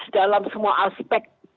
dalam semua aspek